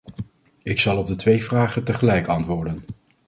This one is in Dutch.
Ik zal op de twee vragen tegelijk antwoorden.